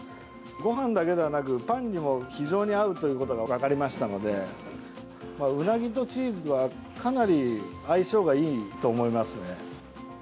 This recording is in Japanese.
ごはんだけではなくパンにも非常に合うということが分かりましたのでウナギとチーズはかなり相性がいいと思いますね。